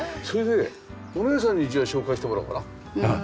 それでお姉さんにじゃあ紹介してもらおうかな。